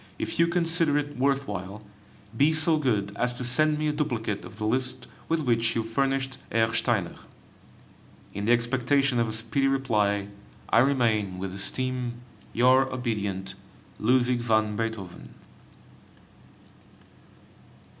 If you consider it worth while, be so good as to send me a duplicate of the list with which you furnished Herr Steiner. In the expectation of a speedy reply, I remain, with esteem, Your obedient LUDWIG VAN BEETHOVEN.